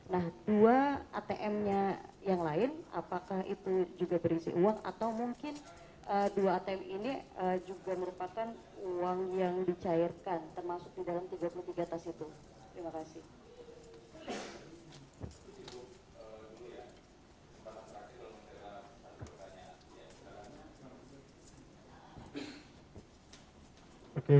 nah dua atm nya yang lain apakah itu juga berisi uang atau mungkin dua atm ini juga merupakan uang yang dicairkan termasuk di dalam tiga puluh tiga tas itu